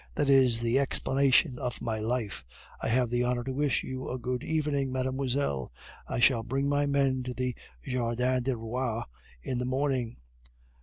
That is the explanation of my life. I have the honor to wish you a good evening, mademoiselle. I shall bring my men to the Jardin du Roi in the morning.